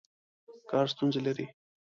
کار ستونزې لري.